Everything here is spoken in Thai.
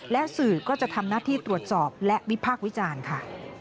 และสื่อก็จะทำหน้าที่ตรวจสอบและวิพากษ์วิจารณ์ค่ะ